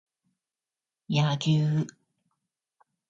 柳生